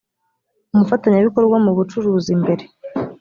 umufatanyabikorwa mu bucuruzi mbere